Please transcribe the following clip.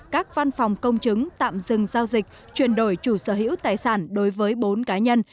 các văn phòng công chứng tạm dừng giao dịch chuyển đổi chủ sở hữu tài sản đối với bốn cá nhân